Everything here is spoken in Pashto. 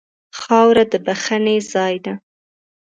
خاوره د بښنې ځای ده.